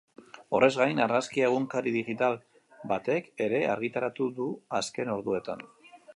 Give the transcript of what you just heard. Horrez gain, argazkia egunkari digital batek ere argitaratu du azken orduetan.